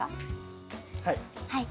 はい。